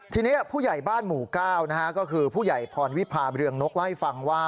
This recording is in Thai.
ทีนี้ผู้ใหญ่บ้านหมู่ก้าวนะฮะก็คือผู้ใหญ่พรวิภาบริเวณกล้ายฟังว่า